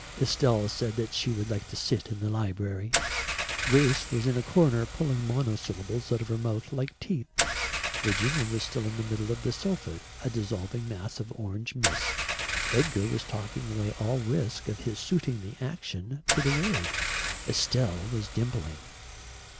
Estelle said that she would like to sit in the library. Grace was in a corner pulling monosyllables out of her mouth like teeth. Virginia was still in the middle of the sofa, a dissolving mass of orange mist. Edgar was talking away all risk of his suiting the action to the word. Estelle was dimpling.